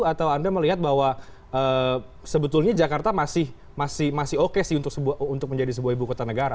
atau anda melihat bahwa sebetulnya jakarta masih oke sih untuk menjadi sebuah ibu kota negara